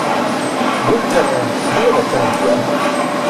Duljame diin akʰenum juwan.